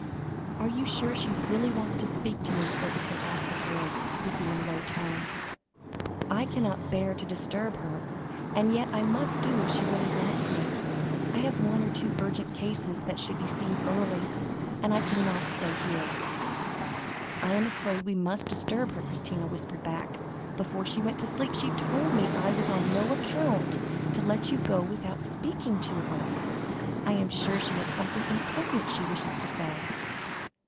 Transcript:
"You are sure she really wants to speak to me?" Fergusson asked the girl, speaking in low tones. "I cannot bear to disturb her, and yet I must do it if she really wants me. I have one or two urgent cases that should be seen early, and I cannot stay here." "I am afraid we must disturb her," Christina whispered back. "Before she went to sleep, she told me I was on no account to let you go without speaking to her. I am sure she has something important she wishes to say."